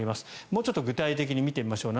もうちょっと具体的に見てみましょう。